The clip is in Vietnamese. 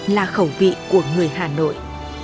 là khẩu vị của người hà nội